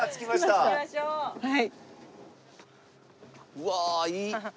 うわあいい！